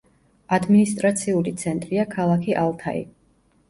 ადმინისტრაციული ცენტრია ქალაქი ალთაი.